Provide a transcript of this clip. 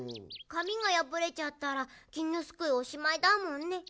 かみがやぶれちゃったらきんぎょすくいおしまいだもんね。